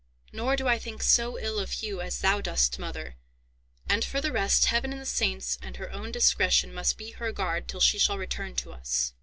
Nor do I think so ill of Hugh as thou dost, mother. And, for the rest, Heaven and the saints and her own discretion must be her guard till she shall return to us."